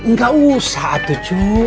ga usah tuh cu